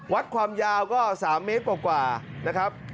วัดความยาวก็๓เมตรกว่านะครับ